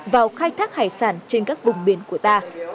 vào khai thác hải sản trên các vùng biển của ta